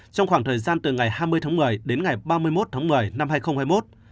trong khoảng thời gian từ ngày hai mươi tháng một mươi đến ngày ba mươi một tháng một mươi năm hai nghìn hai mươi một